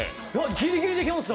ギリギリできました。